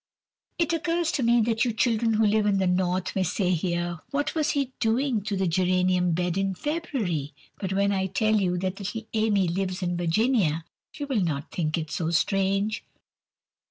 (It occurs to me that you children who live in the North may say here, "What was he doing to the geranium bed in February?" but when I tell you that little Amy lives in Virginia, you will not think it so strange.)